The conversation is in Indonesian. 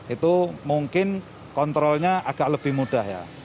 itu mungkin kontrolnya agak lebih mudah ya